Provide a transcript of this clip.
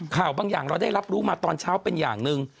บางอย่างเราได้รับรู้มาตอนเช้าเป็นอย่างหนึ่ง